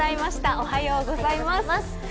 おはようございます。